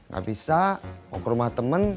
gak bisa mau ke rumah teman